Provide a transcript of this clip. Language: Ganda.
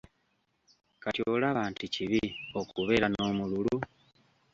Kati olaba nti kibi okubeera n'omululu?